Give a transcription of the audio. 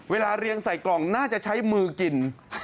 เรียงใส่กล่องน่าจะใช้มือกิน